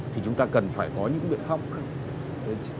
thì chúng ta cần phải có những biện pháp khác